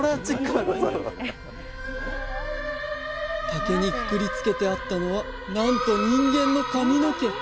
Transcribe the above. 竹にくくりつけてあったのはなんと人間の髪の毛！